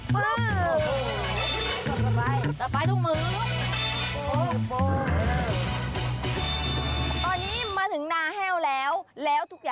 ไปไหมลูกไป